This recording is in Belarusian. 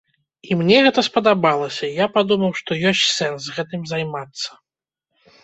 І мне гэта спадабалася, і я падумаў, што ёсць сэнс гэтым займацца.